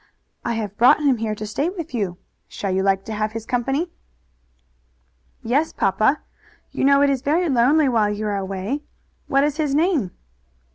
"I have brought him here to stay with you. Shall you like to have his company?" "Yes, papa. You know it is very lonely while you are away. What is his name?"